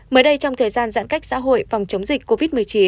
mới đây trong thời gian giãn cách xã hội phòng chống dịch covid một mươi chín